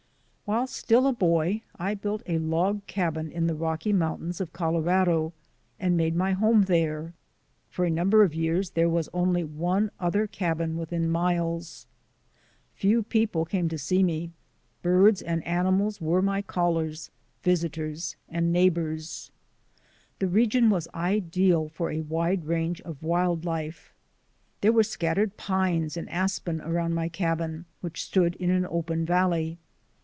While still a boy I built a log cabin in the Rocky Mountains of Colorado and made my home there. For a number of years there was only one other cabin within miles. Few people came to see me; birds and animals were my callers, visitors, and neighbours. The region was ideal for a wide range of wild life. There were scattered pines and aspen around my cabin which stood in an open valley.